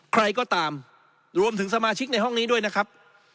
ใครก็ตามรวมถึงสมาชิกในห้องนี้ด้วยนะครับ